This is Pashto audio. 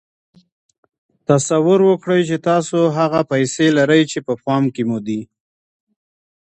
تصور وکړئ چې تاسې هغه پيسې لرئ چې په پام کې مو دي.